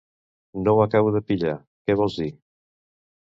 No ho acabo de pillar, què vols dir?